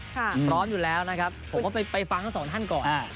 พร้อมอยู่แล้วนะครับผมว่าไปฟังทั้งสองท่านก่อน